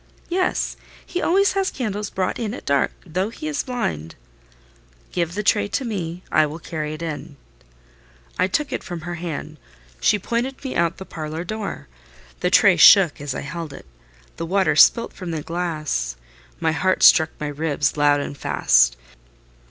"Yes: he always has candles brought in at dark, though he is blind." "Give the tray to me; I will carry it in." I took it from her hand: she pointed me out the parlour door. The tray shook as I held it; the water spilt from the glass; my heart struck my ribs loud and fast.